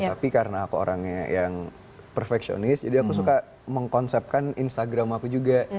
tapi karena aku orangnya yang perfectionis jadi aku suka mengkonsepkan instagram aku juga